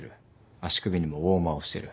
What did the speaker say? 足首にもウォーマーをしてる。